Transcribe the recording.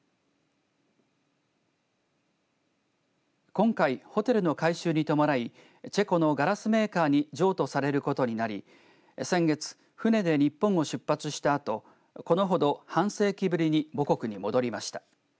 今回ホテルの改修に伴いチェコのガラスメーカーに譲渡されることになり先月、船で日本を出発したあとこのほど半世紀ぶりに母国に戻りました。